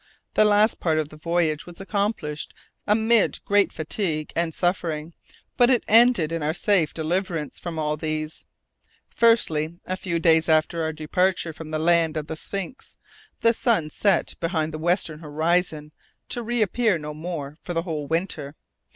The last part of the voyage was indeed accomplished amid great fatigue, suffering, and danger, but it ended in our safe deliverance from all these. [Illustration: The Paracuta.] Firstly, a few days after our departure from the Land of the Sphinx, the sun set behind the western horizon to reappear no more for the whole winter.